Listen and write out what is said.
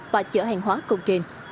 và chở hàng hóa công kênh